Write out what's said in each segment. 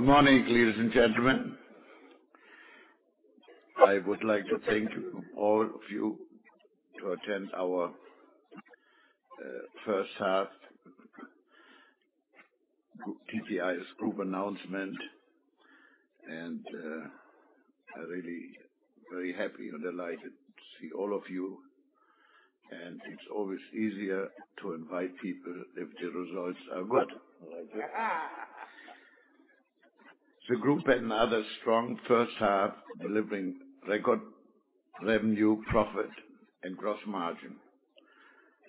Good morning, ladies and gentlemen. I would like to thank all of you to attend our first half TTI's group announcement. I'm really very happy and delighted to see all of you, and it's always easier to invite people if the results are good. The group had another strong first half, delivering record revenue, profit, and gross margin.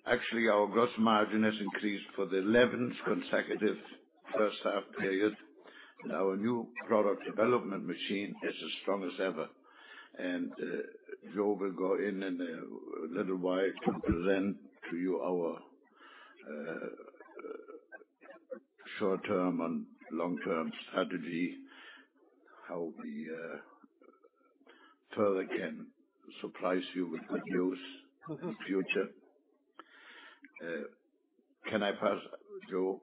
Actually, our gross margin has increased for the 11th consecutive first half period. Our new product development machine is as strong as ever. Joe will go in in a little while to present to you our short-term and long-term strategy, how we further can surprise you with good news in future. Can I pass, Joe?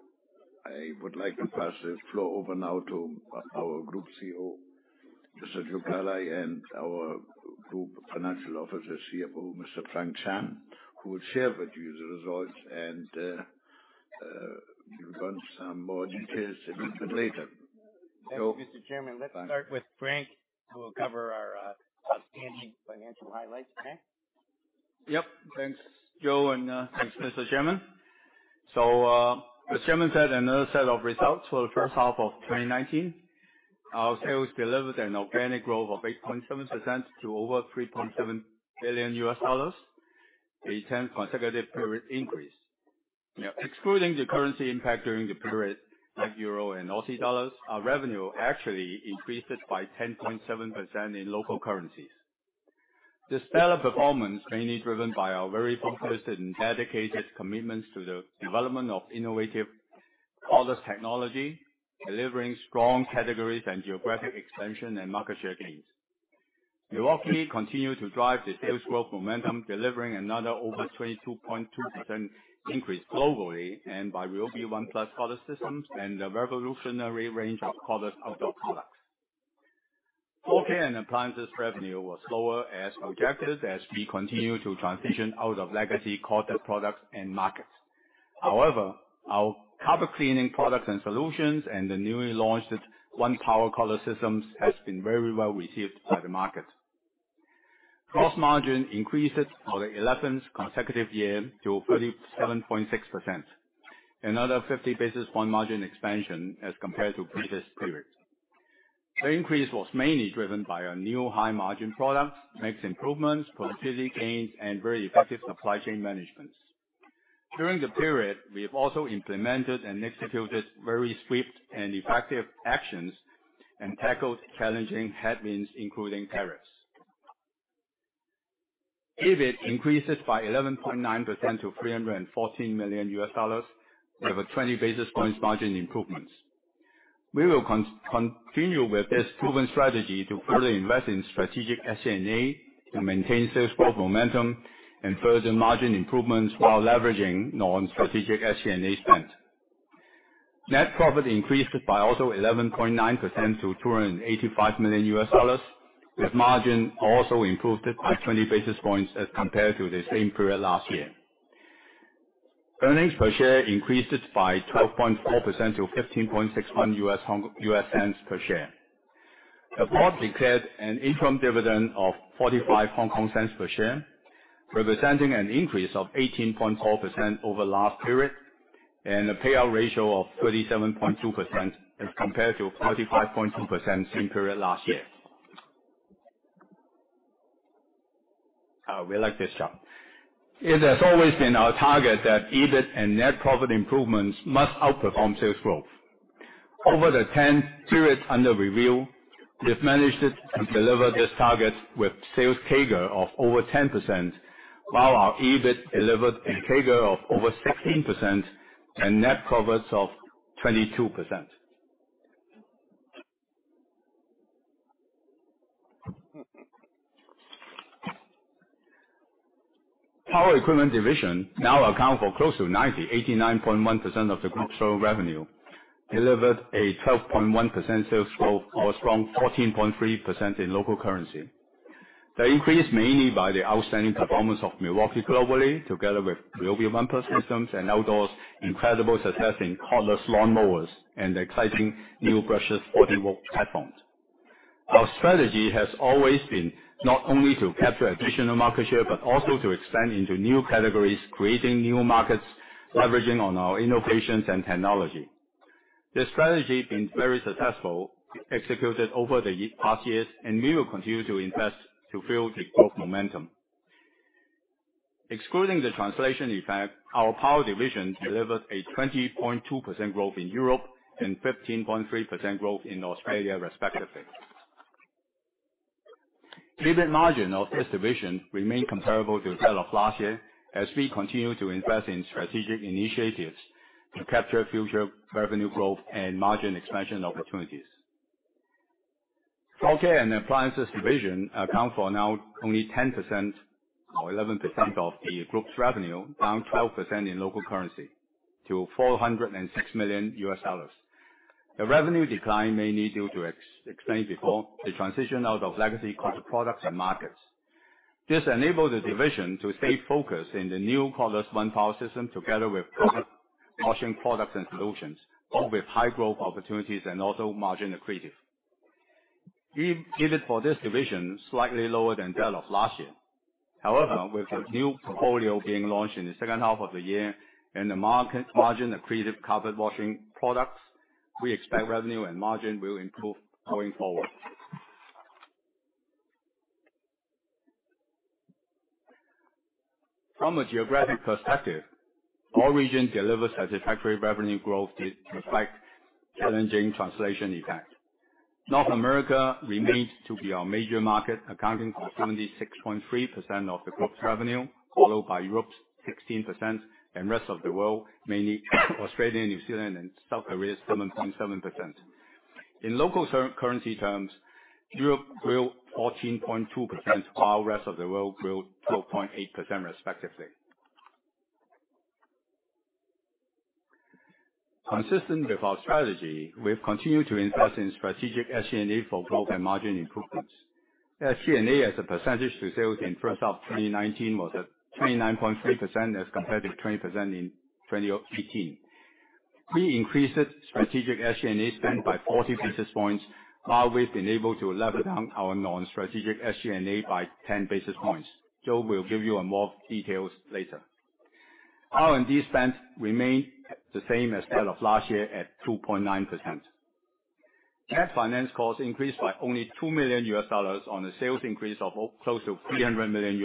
I would like to pass the floor over now to our Group CEO, Mr. Joe Perla, and our Group Financial Officer, CFO, Mr. Frank Chan, who will share with you the results and give you some more details a little bit later. Joe? Thank you, Mr. Chairman. Let's start with Frank, who will cover our outstanding financial highlights, okay? Yep. Thanks, Joe, and thanks, Mr. Chairman. As Chairman said, another set of results for the first half of 2019. Our sales delivered an organic growth of 8.7% to over $3.7 billion, a 10th consecutive period increase. Now, excluding the currency impact during the period, like euro and Aussie dollars, our revenue actually increased by 10.7% in local currencies. This stellar performance mainly driven by our very focused and dedicated commitments to the development of innovative cordless technology, delivering strong categories and geographic expansion and market share gains. Milwaukee continued to drive the sales growth momentum, delivering another over 22.2% increase globally, and by Ryobi ONE+ cordless systems and the revolutionary range of cordless outdoor products. Home Care and Appliances revenue was slower as projected, as we continue to transition out of legacy corded products and markets. Our carpet cleaning products and solutions and the newly launched ONEPWR cordless systems has been very well received by the market. Gross margin increased for the 11th consecutive year to 37.6%. Another 50 basis point margin expansion as compared to previous period. The increase was mainly driven by our new high margin products, mix improvements, productivity gains, and very effective supply chain management. During the period, we have also implemented and executed very swift and effective actions and tackled challenging headwinds, including tariffs. EBIT increases by 11.9% to $314 million with a 20 basis points margin improvement. We will continue with this proven strategy to further invest in strategic SG&A to maintain sales growth momentum and further margin improvement while leveraging non-strategic SG&A spend. Net profit increased by also 11.9% to $285 million, with margin also improved by 20 basis points as compared to the same period last year. Earnings per share increased by 12.4% to $0.1561 per share. The board declared an interim dividend of 0.45 per share, representing an increase of 18.4% over last period, and a payout ratio of 37.2% as compared to 35.2% same period last year. Oh, we like this chart. It has always been our target that EBIT and net profit improvements must outperform sales growth. Over the 10 periods under review, we've managed to deliver this target with sales CAGR of over 10%, while our EBIT delivered a CAGR of over 16% and net profits of 22%. Power equipment division now account for close to 90%, 89.1% of the group's total revenue, delivered a 12.1% sales growth or a strong 14.3% in local currency. The increase mainly by the outstanding performance of Milwaukee globally, together with Ryobi ONE+ systems and outdoors, incredible success in cordless lawnmowers, and the exciting new brushless 40V platforms. Our strategy has always been not only to capture additional market share, but also to expand into new categories, creating new markets, leveraging on our innovations and technology. This strategy been very successful, executed over the past years, and we will continue to invest to fuel the growth momentum. Excluding the translation effect, our power division delivered a 20.2% growth in Europe and 15.3% growth in Australia, respectively. EBIT margin of this division remain comparable to that of last year, as we continue to invest in strategic initiatives to capture future revenue growth and margin expansion opportunities. Home Care and Appliances division accounts for now only 10% or 11% of the group's revenue, down 12% in local currency to HKD 406 million. The revenue decline mainly due to, explained before, the transition out of legacy core products and markets. This enabled the division to stay focused in the new cordless ONEPWR system together with carpet washing products and solutions, both with high growth opportunities and also margin accretive. EBIT for this division slightly lower than that of last year. However, with the new portfolio being launched in the second half of the year and the margin-accretive carpet washing products, we expect revenue and margin will improve going forward. From a geographic perspective, all regions delivered satisfactory revenue growth to reflect challenging translation impact. North America remains to be our major market, accounting for 76.3% of the group's revenue, followed by Europe, 16%, and rest of the world, mainly Australia, New Zealand, and South Korea, 7.7%. In local currency terms, Europe grew 14.2%, while rest of the world grew 12.8%, respectively. Consistent with our strategy, we've continued to invest in strategic SG&A for growth and margin improvements. SG&A as a percentage to sales in first half 2019 was at 29.3% as compared to 20% in 2018. We increased strategic SG&A spend by 40 basis points, while we've been able to lever down our non-strategic SG&A by 10 basis points. Joe will give you more details later. R&D spend remained the same as that of last year at 2.9%. Net finance costs increased by only $2 million on a sales increase of close to $300 million,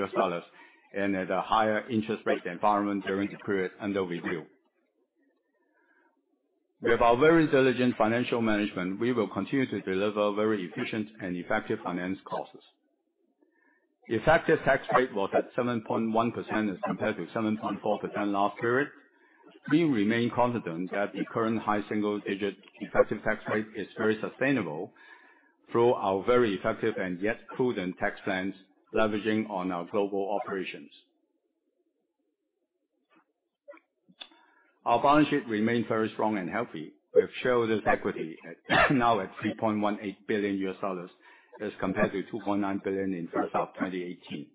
and at a higher interest rate environment during the period under review. With our very diligent financial management, we will continue to deliver very efficient and effective finance costs. Effective tax rate was at 7.1% as compared to 7.4% last period. We remain confident that the current high single-digit effective tax rate is very sustainable through our very effective and yet prudent tax plans leveraging on our global operations. Our balance sheet remained very strong and healthy. We've showed its equity now at $3.18 billion as compared to $2.9 billion in first half 2018.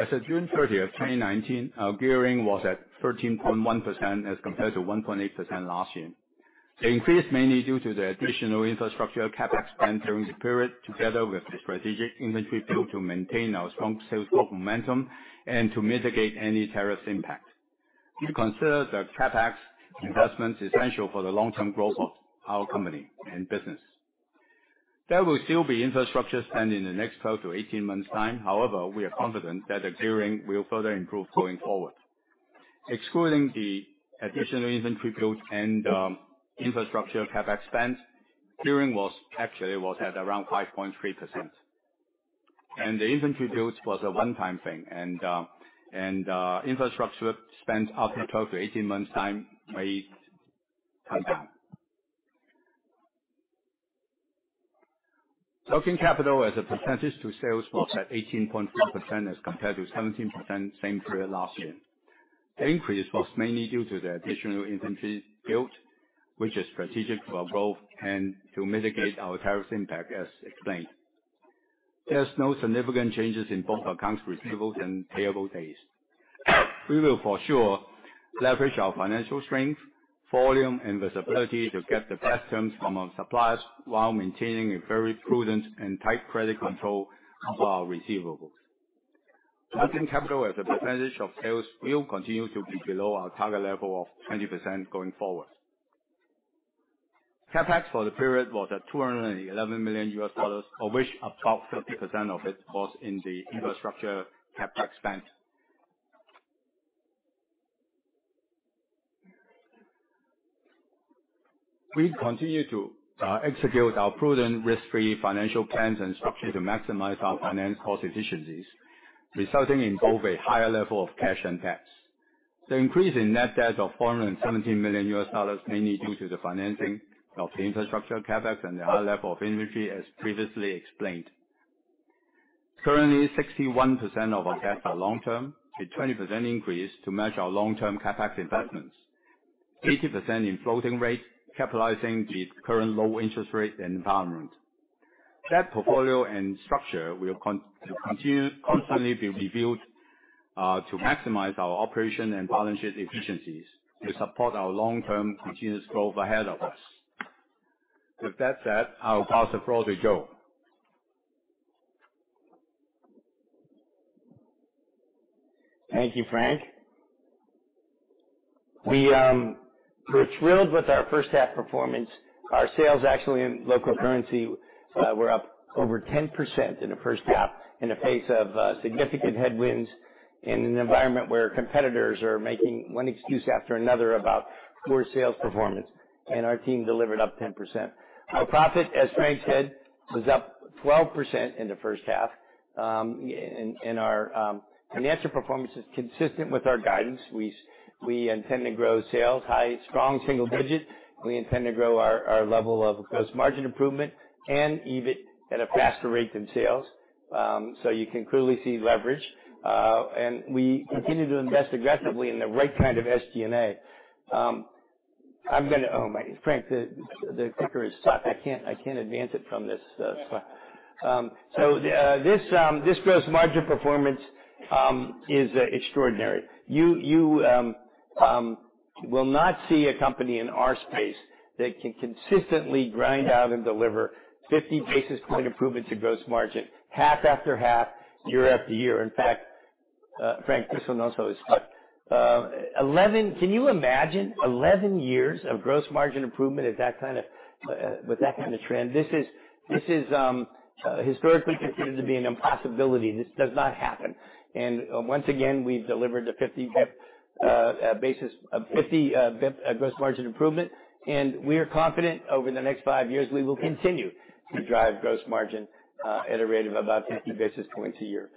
As of June 30th, 2019, our gearing was at 13.1% as compared to 1.8% last year. The increase mainly due to the additional infrastructure CapEx spend during the period, together with the strategic inventory build to maintain our strong sales growth momentum and to mitigate any tariff impact. We consider the CapEx investments essential for the long-term growth of our company and business. There will still be infrastructure spend in the next 12 to 18 months' time. We are confident that the gearing will further improve going forward. Excluding the additional inventory build and infrastructure CapEx spend, gearing actually was at around 5.3%. The inventory build was a one-time thing, and infrastructure spend after 12 to 18 months' time may come down. Working capital as a percentage to sales was at 18.3% as compared to 17% same period last year. The increase was mainly due to the additional inventory build, which is strategic for our growth and to mitigate our tariff impact, as explained. There's no significant changes in both accounts receivables and payable days. We will for sure leverage our financial strength, volume, and visibility to get the best terms from our suppliers while maintaining a very prudent and tight credit control of our receivables. Working capital as a percentage of sales will continue to be below our target level of 20% going forward. CapEx for the period was at HKD 211 million, of which about 50% of it was in the infrastructure CapEx spend. We continue to execute our prudent risk-free financial plans and structure to maximize our finance cost efficiencies, resulting in both a higher level of cash and debt. The increase in net debt of HKD 417 million mainly due to the financing of the infrastructure CapEx and the high level of inventory as previously explained. Currently, 61% of our debt are long-term, a 20% increase to match our long-term CapEx investments. 80% in floating rate, capitalizing the current low interest rate environment. Debt portfolio and structure will constantly be reviewed to maximize our operation and balance sheet efficiencies to support our long-term continuous growth ahead of us. With that said, I'll pass it over to Joe. Thank you, Frank. We're thrilled with our first half performance. Our sales actually in local currency were up over 10% in the first half in the face of significant headwinds in an environment where competitors are making one excuse after another about poor sales performance, our team delivered up 10%. Our profit, as Frank said, was up 12% in the first half. Our financial performance is consistent with our guidance. We intend to grow sales high, strong, single digit. We intend to grow our level of gross margin improvement and EBIT at a faster rate than sales. You can clearly see leverage. We continue to invest aggressively in the right kind of SG&A. Frank, the ticker is stuck. I can't advance it from this slide. This gross margin performance is extraordinary. You will not see a company in our space that can consistently grind out and deliver 50 basis point improvement to gross margin, half after half, year after year. Frank, this one also is stuck. Can you imagine 11 years of gross margin improvement with that kind of trend? This is historically considered to be an impossibility. This does not happen. Once again, we've delivered a 50 bip gross margin improvement, and we are confident over the next 5 years, we will continue to drive gross margin at a rate of about 50 basis points a year.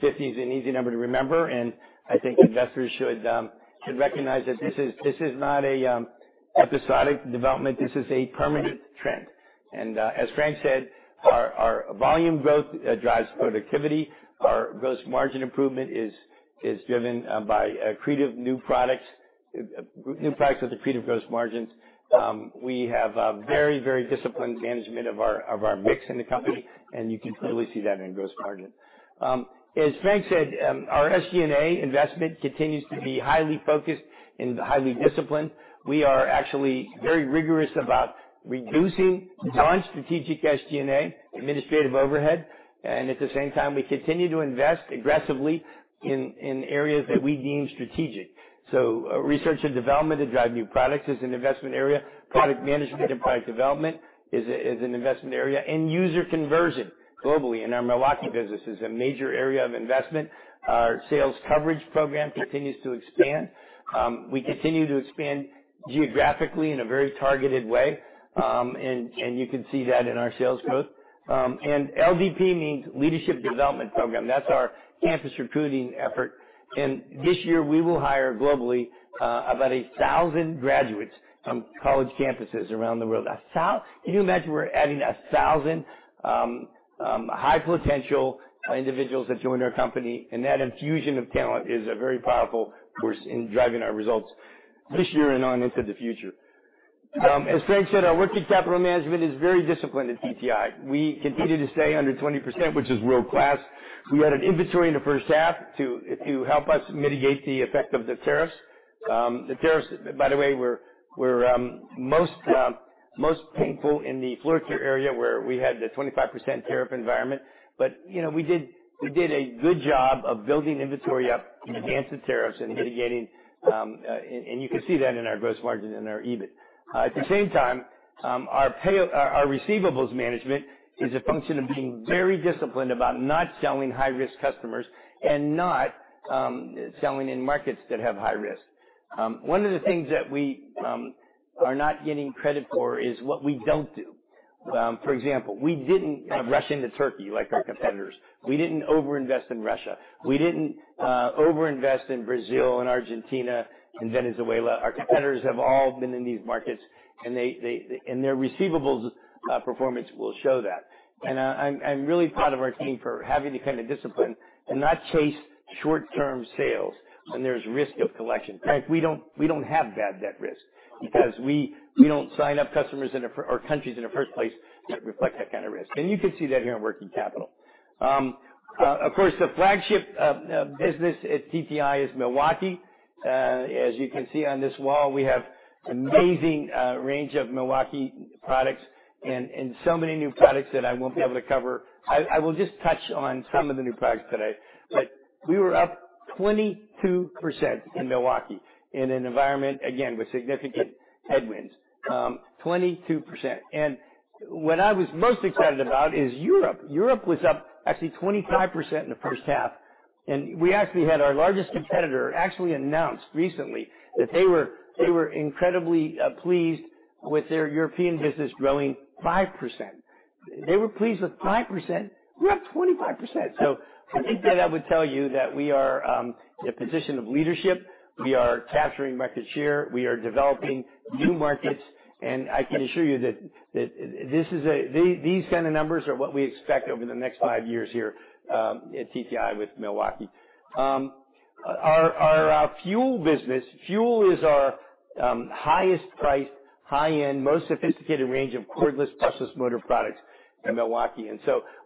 50 is an easy number to remember, I think investors should recognize that this is not a episodic development, this is a permanent trend. As Frank said, our volume growth drives productivity. Our gross margin improvement is driven by accretive new products with accretive gross margins. We have a very disciplined management of our mix in the company, and you can clearly see that in gross margin. As Frank said, our SG&A investment continues to be highly focused and highly disciplined. We are actually very rigorous about reducing non-strategic SG&A administrative overhead. At the same time, we continue to invest aggressively in areas that we deem strategic. Research and development to drive new products is an investment area. Product management and product development is an investment area. User conversion globally in our Milwaukee business is a major area of investment. Our sales coverage program continues to expand. We continue to expand geographically in a very targeted way. You can see that in our sales growth. LDP means Leadership Development Program. That's our campus recruiting effort. This year we will hire globally about 1,000 graduates from college campuses around the world. Can you imagine we're adding 1,000 high-potential individuals that join our company. That infusion of talent is a very powerful force in driving our results this year and on into the future. As Frank said, our working capital management is very disciplined at TTI. We continue to stay under 20%, which is world-class. We had an inventory in the first half to help us mitigate the effect of the tariffs. The tariffs, by the way, were most painful in the floor care area, where we had the 25% tariff environment. We did a good job of building inventory up in advance of tariffs and mitigating, and you can see that in our gross margin and our EBIT. At the same time, our receivables management is a function of being very disciplined about not selling high-risk customers and not selling in markets that have high risk. One of the things that we are not getting credit for is what we don't do. For example, we didn't rush into Turkey like our competitors. We didn't overinvest in Russia. We didn't overinvest in Brazil and Argentina and Venezuela. Our competitors have all been in these markets, and their receivables performance will show that. I'm really proud of our team for having the kind of discipline and not chase short-term sales when there's risk of collection. Frank, we don't have bad debt risk because we don't sign up customers or countries in the first place that reflect that kind of risk. You can see that in our working capital. Of course, the flagship business at TTI is Milwaukee. As you can see on this wall, we have amazing range of Milwaukee products and so many new products that I won't be able to cover. I will just touch on some of the new products today, we were up 22% in Milwaukee in an environment, again, with significant headwinds, 22%. What I was most excited about is Europe. Europe was up actually 25% in the first half. We actually had our largest competitor actually announce recently that they were incredibly pleased with their European business growing 5%. They were pleased with 5%. We are up 25%. I think that would tell you that we are in a position of leadership. We are capturing market share. We are developing new markets, and I can assure you that these kind of numbers are what we expect over the next five years here at TTI with Milwaukee. Our Fuel business. Fuel is our highest priced, high-end, most sophisticated range of cordless brushless motor products in Milwaukee.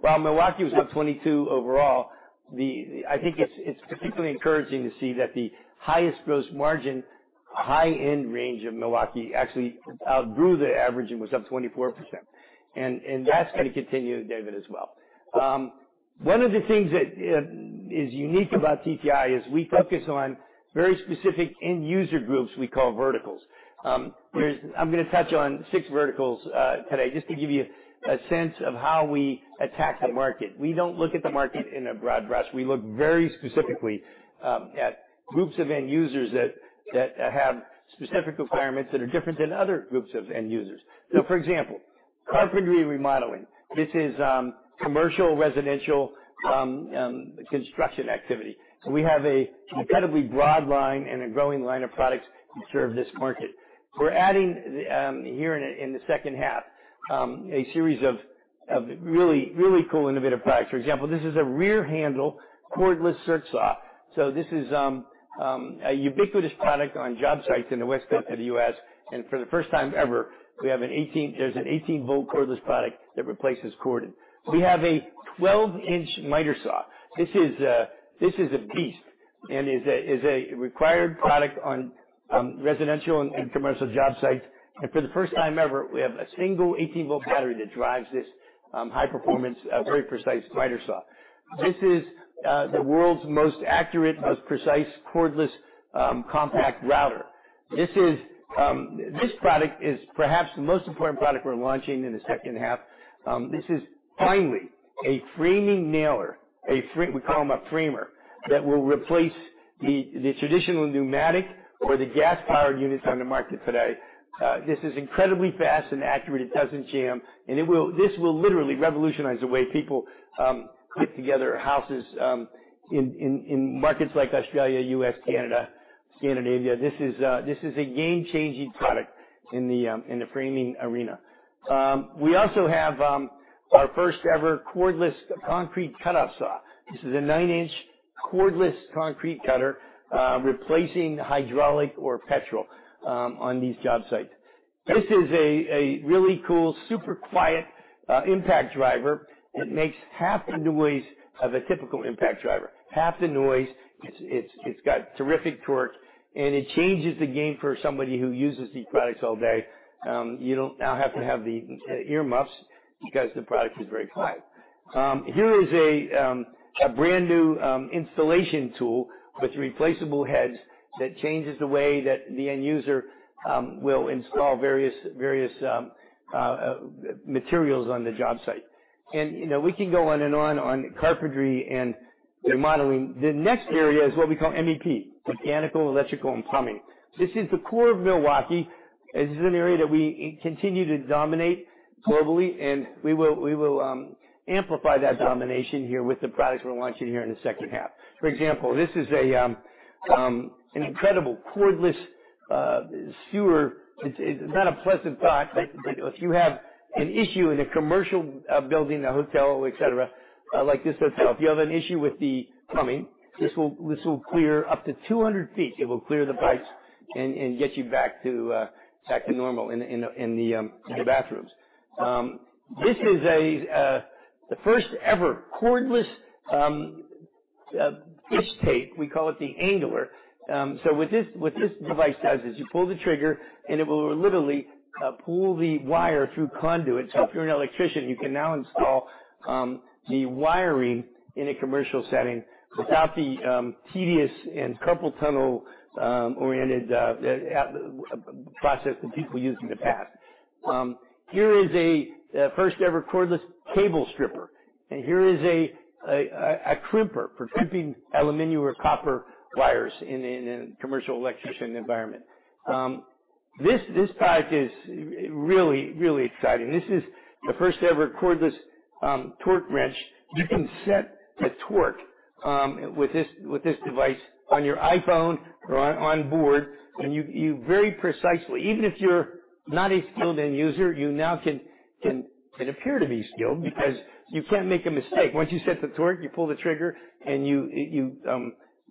While Milwaukee was up 22 overall, I think it's particularly encouraging to see that the highest gross margin, high-end range of Milwaukee actually outgrew the average and was up 24%. That's going to continue, David, as well. One of the things that is unique about TTI is we focus on very specific end user groups we call verticals. I'm going to touch on six verticals today just to give you a sense of how we attack the market. We don't look at the market in a broad brush. We look very specifically at groups of end users that have specific requirements that are different than other groups of end users. For example, Carpentry remodeling. This is commercial residential construction activity. We have an incredibly broad line and a growing line of products to serve this market. We're adding, here in the second half, a series of really cool innovative products. For example, this is a rear handle cordless circ saw. This is a ubiquitous product on job sites in the West Coast of the U.S., and for the first time ever, there's an 18-volt cordless product that replaces corded. We have a 12-inch miter saw. This is a beast, and is a required product on residential and commercial job sites. For the first time ever, we have a single 18-volt battery that drives this high performance, very precise miter saw. This is the world's most accurate, most precise cordless, compact router. This product is perhaps the most important product we're launching in the second half. This is finally a framing nailer, we call them a framer, that will replace the traditional pneumatic or the gas-powered units on the market today. This is incredibly fast and accurate. It doesn't jam. This will literally revolutionize the way people put together houses, in markets like Australia, U.S., Canada, Scandinavia. This is a game-changing product in the framing arena. We also have our first-ever cordless concrete cutoff saw. This is a 9-inch cordless concrete cutter, replacing hydraulic or gasoline on these job sites. This is a really cool, super quiet impact driver that makes half the noise of a typical impact driver. Half the noise. It's got terrific torque. It changes the game for somebody who uses these products all day. You don't now have to have the earmuffs because the product is very quiet. Here is a brand-new installation tool with replaceable heads that changes the way that the end user will install various materials on the job site. We can go on and on on carpentry and remodeling. The next area is what we call MEP, mechanical, electrical, and plumbing. This is the core of Milwaukee. This is an area that we continue to dominate globally, and we will amplify that domination here with the products we're launching here in the second half. For example, this is an incredible cordless sewer. It's not a pleasant thought, but if you have an issue in a commercial building, a hotel, et cetera, like this hotel. If you have an issue with the plumbing, this will clear up to 200 feet. It will clear the pipes and get you back to normal in the bathrooms. This is the first-ever cordless fish tape. We call it the Angler. What this device does is you pull the trigger, and it will literally pull the wire through conduits. If you're an electrician, you can now install the wiring in a commercial setting without the tedious and carpal tunnel-oriented process that people used in the past. Here is a first-ever cordless cable stripper. Here is a crimper for crimping aluminum or copper wires in a commercial electrician environment. This product is really exciting. This is the first-ever cordless torque wrench. You can set the torque with this device on your iPhone or onboard, and you very precisely, even if you're not a skilled end user, you now can appear to be skilled because you can't make a mistake. Once you set the torque, you pull the trigger, and you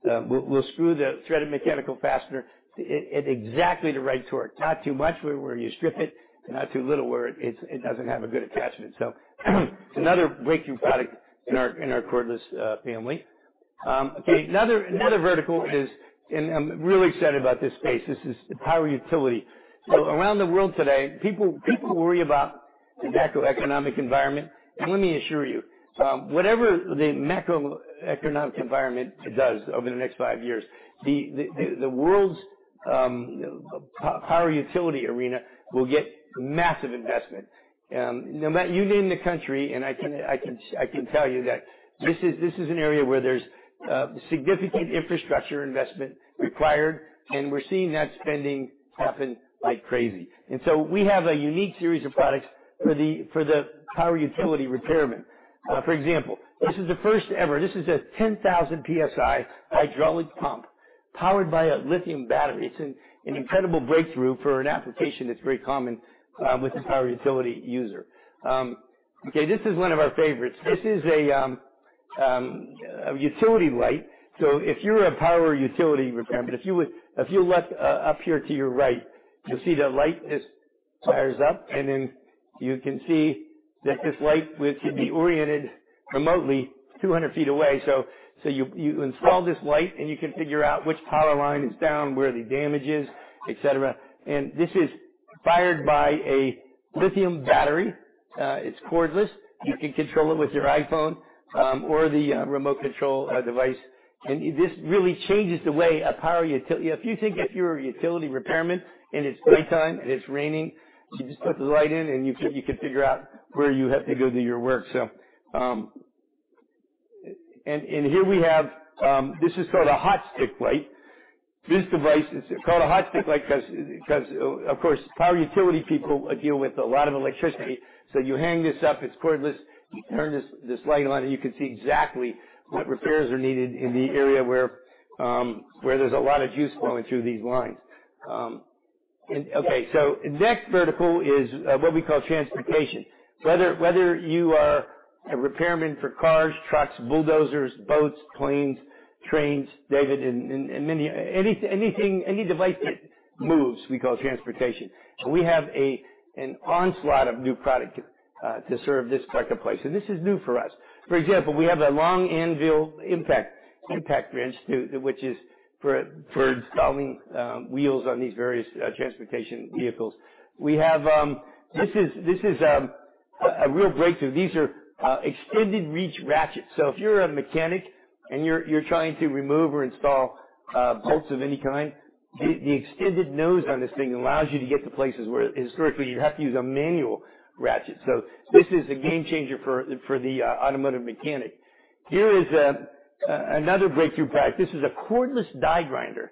will screw the threaded mechanical fastener at exactly the right torque. Not too much where you strip it, and not too little where it doesn't have a good attachment. It's another breakthrough product in our cordless family. Another vertical is, I'm really excited about this space. This is power utility. Around the world today, people worry about the macroeconomic environment. Let me assure you, whatever the macroeconomic environment does over the next 5 years, the world's power utility arena will get massive investment. You name the country, and I can tell you that this is an area where there's significant infrastructure investment required, and we're seeing that spending happen like crazy. We have a unique series of products for the power utility repairman. For example, this is the first ever, this is a 10,000 PSI hydraulic pump powered by a lithium battery. It's an incredible breakthrough for an application that's very common with the power utility user. This is one of our favorites. This is a utility light. If you're a power utility repairman, if you look up here to your right, you'll see the light just fires up, and then you can see that this light, which can be oriented remotely 200 feet away. You install this light, and you can figure out which power line is down, where the damage is, et cetera. This is fired by a lithium battery. It's cordless. You can control it with your iPhone, or the remote control device. This really changes the way a power utility. If you think if you're a utility repairman, and it's nighttime, and it's raining, you just put the light in, and you can figure out where you have to go do your work. Here we have, this is called a hot stick light. This device is called a hot stick light because, of course, power utility people deal with a lot of electricity. You hang this up, it's cordless, you turn this light on, and you can see exactly what repairs are needed in the area where there's a lot of juice flowing through these lines. Okay. Next vertical is what we call transportation. Whether you are a repairman for cars, trucks, bulldozers, boats, planes, trains, David, any device that moves, we call transportation. We have an onslaught of new product to serve this marketplace, and this is new for us. For example, we have a long anvil impact wrench, which is for installing wheels on these various transportation vehicles. This is a real breakthrough. These are extended reach ratchets. If you're a mechanic and you're trying to remove or install bolts of any kind, the extended nose on this thing allows you to get to places where historically you'd have to use a manual ratchet. This is a game changer for the automotive mechanic. Here is another breakthrough product. This is a cordless die grinder.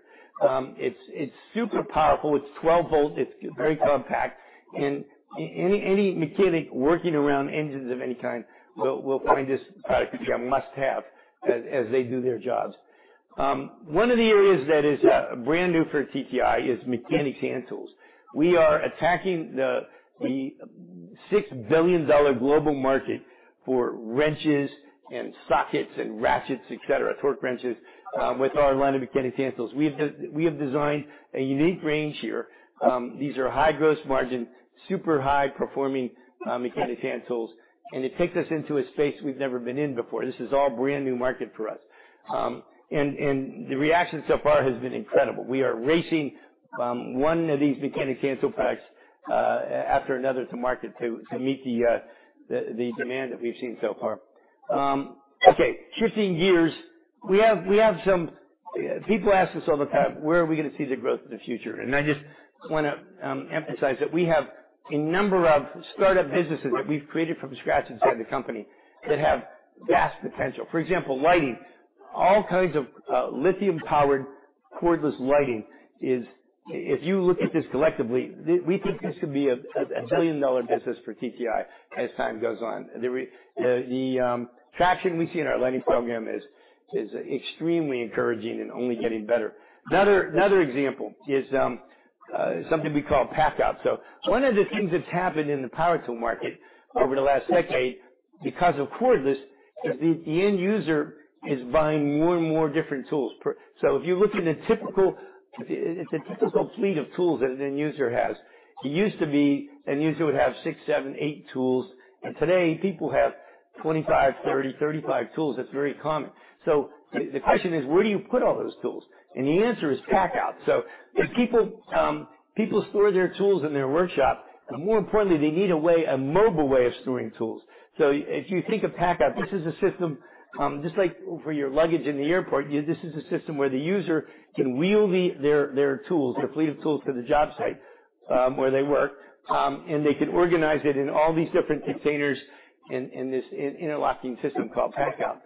It's super powerful. It's 12 volt. It's very compact. Any mechanic working around engines of any kind will find this product a must-have as they do their jobs. One of the areas that is brand new for TTI is mechanics hand tools. We are attacking the $6 billion global market for wrenches and sockets and ratchets, et cetera, torque wrenches, with our line of mechanics hand tools. We have designed a unique range here. These are high gross margin, super high performing mechanics hand tools. It takes us into a space we've never been in before. This is all brand new market for us. The reaction so far has been incredible. We are racing one of these mechanics hand tool products after another to market to meet the demand that we've seen so far. Okay, shifting gears. People ask us all the time, "Where are we going to see the growth in the future?" I just want to emphasize that we have a number of startup businesses that we've created from scratch inside the company that have vast potential. For example, lighting. If you look at this collectively, we think this could be a billion-dollar business for TTI as time goes on. The traction we see in our lighting program is extremely encouraging and only getting better. Another example is something we call PACKOUT. One of the things that's happened in the power tool market over the last decade, because of cordless, is the end user is buying more and more different tools. If you look at the typical fleet of tools that an end user has, it used to be an end user would have six, seven, eight tools, and today people have 25, 30, 35 tools. That's very common. The question is, where do you put all those tools? The answer is PACKOUT. People store their tools in their workshop, but more importantly, they need a mobile way of storing tools. If you think of PACKOUT, this is a system, just like for your luggage in the airport, this is a system where the user can wheel their tools, their fleet of tools to the job site where they work, and they can organize it in all these different containers in this interlocking system called PACKOUT.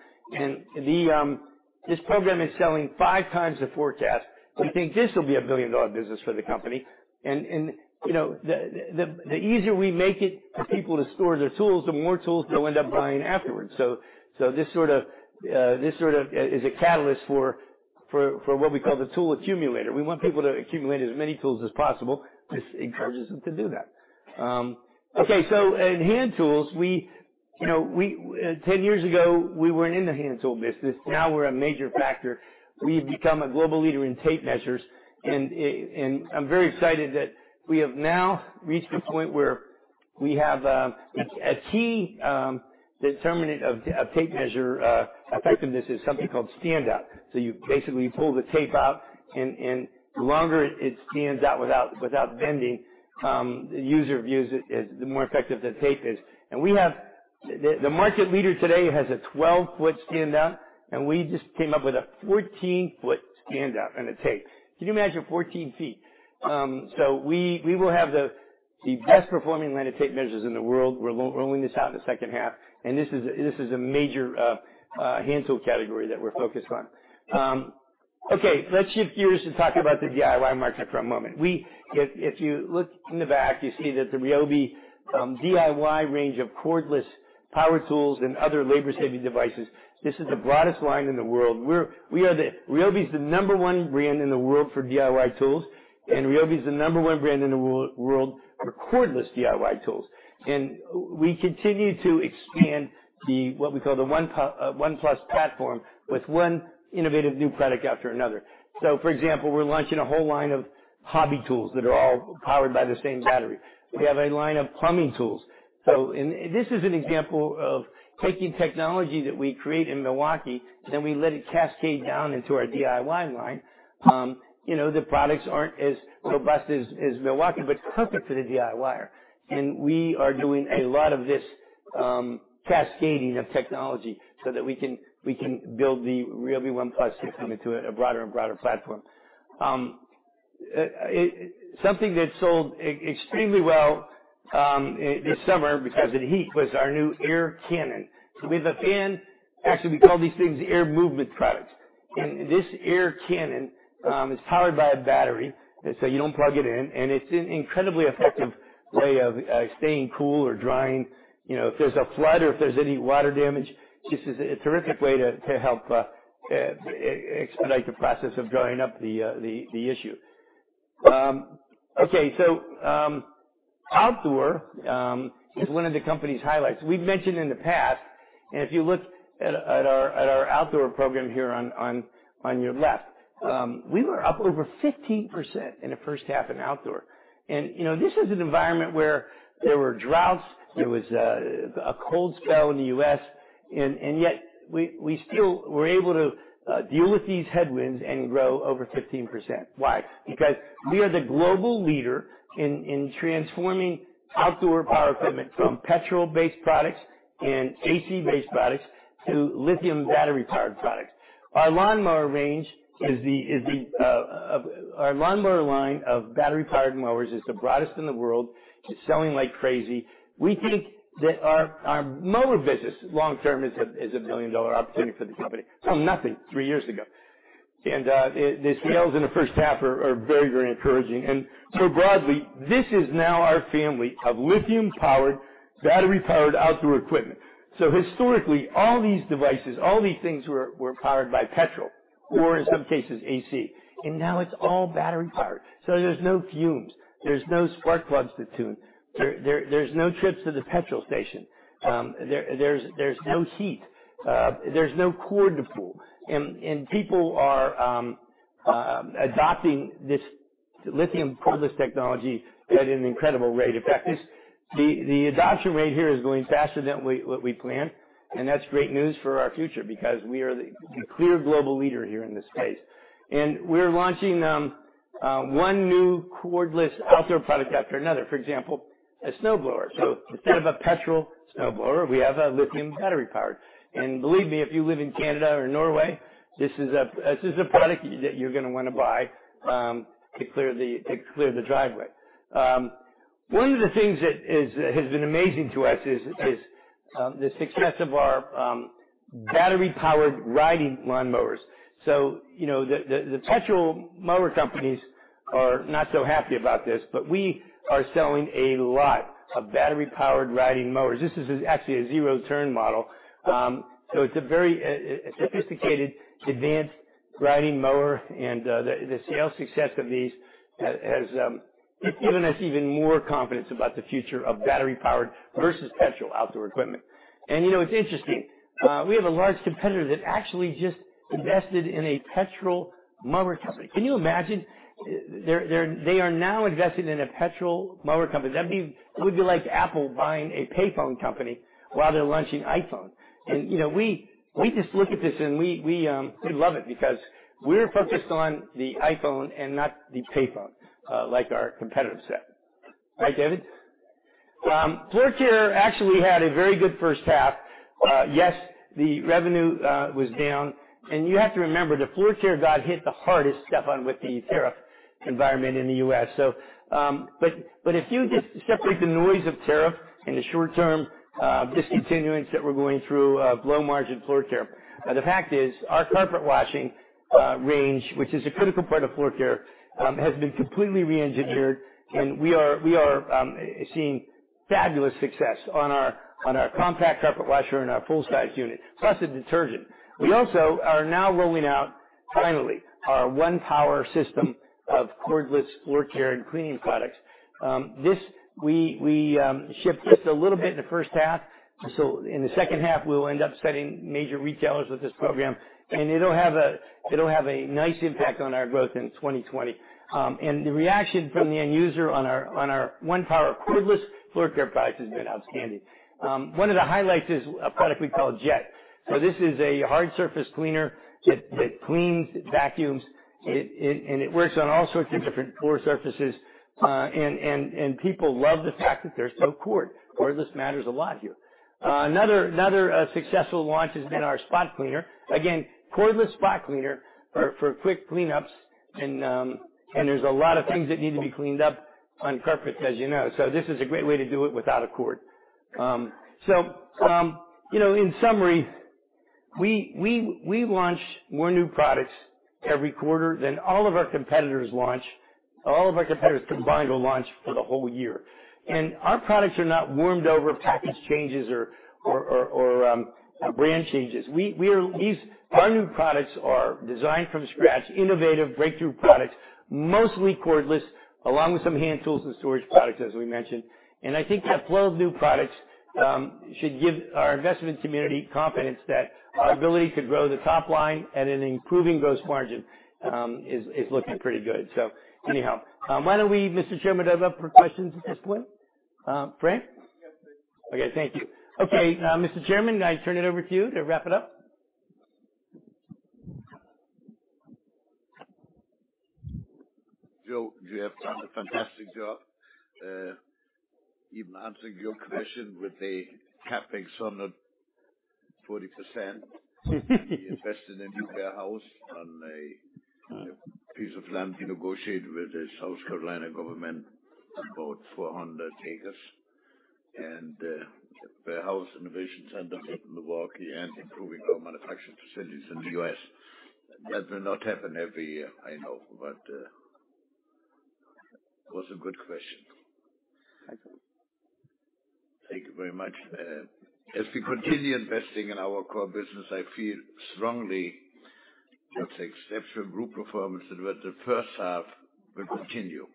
This program is selling five times the forecast. We think this will be a billion-dollar business for the company. The easier we make it for people to store their tools, the more tools they'll end up buying afterwards. This sort of is a catalyst for what we call the tool accumulator. We want people to accumulate as many tools as possible. This encourages them to do that. In hand tools, 10 years ago, we weren't in the hand tool business. Now we're a major factor. We've become a global leader in tape measures, and I'm very excited that we have now reached a point where we have a key determinant of tape measure effectiveness is something called stand out. You basically pull the tape out, and the longer it stands out without bending, the user views it as the more effective the tape is. The market leader today has a 12-foot stand out, and we just came up with a 14-foot stand out on a tape. Can you imagine 14 feet. We will have the best performing line of tape measures in the world. We're rolling this out in the second half, and this is a major hand tool category that we're focused on. Okay, let's shift gears to talk about the DIY market for a moment. If you look in the back, you see that the Ryobi DIY range of cordless power tools and other labor-saving devices, this is the broadest line in the world. Ryobi is the number one brand in the world for DIY tools, and Ryobi is the number one brand in the world for cordless DIY tools. We continue to expand what we call the ONE+ platform with one innovative new product after another. For example, we're launching a whole line of hobby tools that are all powered by the same battery. We have a line of plumbing tools. This is an example of taking technology that we create in Milwaukee, then we let it cascade down into our DIY line. The products aren't as robust as Milwaukee, but perfect for the DIYer. We are doing a lot of this cascading of technology so that we can build the Ryobi ONE+ system into a broader and broader platform. Something that sold extremely well this summer because of the heat was our new air cannon. We have a fan. Actually, we call these things air movement products. This air cannon is powered by a battery, so you don't plug it in, and it's an incredibly effective way of staying cool or drying. If there's a flood or if there's any water damage, this is a terrific way to help expedite the process of drying up the issue. Okay. Outdoor is one of the company's highlights. We've mentioned in the past, and if you look at our Outdoor program here on your left, we were up over 15% in the first half in Outdoor. This is an environment where there were droughts, there was a cold spell in the U.S., yet we still were able to deal with these headwinds and grow over 15%. Why? Because we are the global leader in transforming outdoor power equipment from petrol-based products and AC-based products to lithium battery-powered products. Our lawnmower line of battery-powered mowers is the broadest in the world. It's selling like crazy. We think that our mower business long term is a billion-dollar opportunity for the company. It was nothing three years ago. The sales in the first half are very encouraging. Broadly, this is now our family of lithium-powered, battery-powered outdoor equipment. Historically, all these devices, all these things were powered by petrol or, in some cases, AC. Now it's all battery-powered. There's no fumes. There's no spark plugs to tune. There's no trips to the petrol station. There's no heat. There's no cord to pull. People are adopting this lithium cordless technology at an incredible rate. In fact, the adoption rate here is growing faster than what we planned, and that's great news for our future because we are the clear global leader here in this space. We're launching one new cordless outdoor product after another. For example, a snowblower. Instead of a petrol snowblower, we have a lithium battery-powered. Believe me, if you live in Canada or Norway, this is a product that you're going to want to buy to clear the driveway. One of the things that has been amazing to us is the success of our battery-powered riding lawnmowers. The petrol mower companies are not so happy about this, but we are selling a lot of battery-powered riding mowers. This is actually a zero-turn model. It's a very sophisticated, advanced riding mower, and the sales success of these has given us even more confidence about the future of battery-powered versus petrol outdoor equipment. It's interesting. We have a large competitor that actually just invested in a petrol mower company. Can you imagine? They are now invested in a petrol mower company. That would be like Apple buying a payphone company while they're launching iPhone. We just look at this, and we love it because we're focused on the iPhone and not the payphone like our competitor set. Right, David? floor care actually had a very good first half. Yes, the revenue was down. You have to remember that floor care got hit the hardest, Stephan, with the tariff environment in the U.S. If you just separate the noise of tariff in the short term, discontinuance that we're going through of low-margin floor care, the fact is our carpet washing range, which is a critical part of floor care, has been completely re-engineered, and we are seeing fabulous success on our compact carpet washer and our full-size unit, plus the detergent. We also are now rolling out, finally, our ONEPWR system of cordless floor care and cleaning products. We shipped just a little bit in the first half, so in the second half, we'll end up setting major retailers with this program, and it'll have a nice impact on our growth in 2020. The reaction from the end user on our ONEPWR cordless floor care products has been outstanding. One of the highlights is a product we call Jet. This is a hard surface cleaner that cleans, it vacuums, and it works on all sorts of different floor surfaces, and people love the fact that there's no cord. Cordless matters a lot here. Another successful launch has been our spot cleaner. Again, cordless spot cleaner for quick cleanups, and there's a lot of things that need to be cleaned up on carpet, as you know. This is a great way to do it without a cord. In summary, we launch more new products every quarter than all of our competitors combined will launch for the whole year. Our products are not warmed-over package changes or brand changes. Our new products are designed from scratch, innovative breakthrough products, mostly cordless, along with some hand tools and storage products, as we mentioned. I think that flow of new products should give our investment community confidence that our ability to grow the top line at an improving gross margin is looking pretty good. Anyhow. Why don't we, Mr. Chairman, open up for questions at this point? Frank? Yes, please. Okay, thank you. Okay. Mr. Chairman, can I turn it over to you to wrap it up? Joe, you have done a fantastic job. Even answering your question with the CapEx on the 40%. We invested in a new warehouse on a piece of land we negotiated with the South Carolina government, about 400 acres, and a warehouse innovation center in Milwaukee and improving our manufacturing facilities in the U.S. That will not happen every year, I know, but it was a good question. Thank you. Thank you very much. As we continue investing in our core business, I feel strongly that the exceptional group performance that was the first half will continue.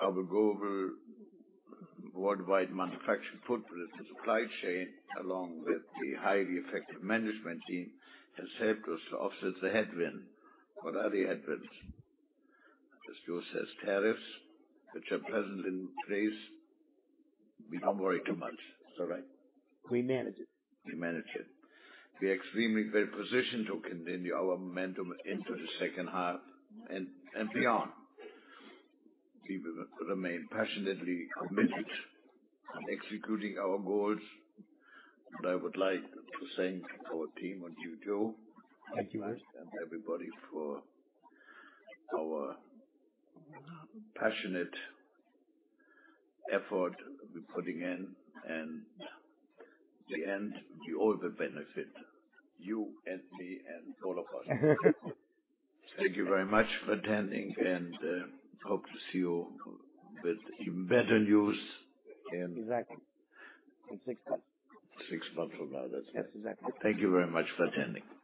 Our global worldwide manufacturing footprint and supply chain, along with the highly effective management team, has helped us to offset the headwind. What are the headwinds? As Joe says, tariffs, which are presently in place. We don't worry too much. Is that right? We manage it. We manage it. We are extremely well-positioned to continue our momentum into the second half and beyond. We will remain passionately committed to executing our goals. I would like to thank our team and you, Joe. Thank you, Horst and everybody for our passionate effort we're putting in. In the end, we all will benefit, you and me and all of us. Thank you very much for attending, and hope to see you with even better news. Exactly. In six months. Six months from now. That's right. Yes, exactly. Thank you very much for attending.